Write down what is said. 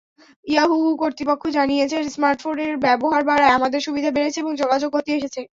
Yahoo কর্তৃপক্ষ জানিয়েছে, স্মার্টফোনের ব্যবহার বাড়ায় আমাদের সুবিধা বেড়েছে এবং যোগাযোগে গতি এসেছে।